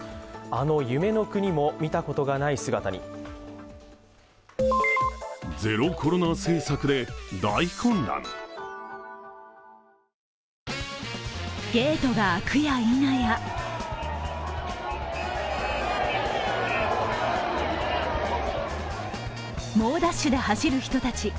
あの夢の国も、見たことがない姿にゲートが開くやいなや猛ダッシュで走る人たち。